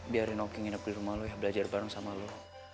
biarin noking nginep di rumah lo ya belajar bareng sama lo